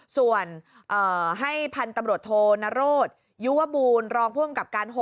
ส่วนให้พันธุ์ตำรวจโทนโรศยุวบูรณรองผู้อำกับการ๖